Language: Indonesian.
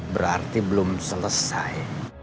berarti belum selesai